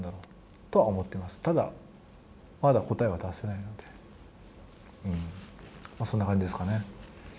ただ、まだ答えは出せないのでうん、そんな感じですかね。